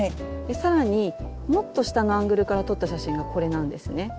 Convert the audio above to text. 更にもっと下のアングルから撮った写真がこれなんですね。